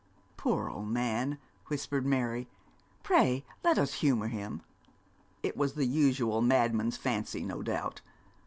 'Poor old man,' whispered Mary; 'pray let us humour him.' It was the usual madman's fancy, no doubt.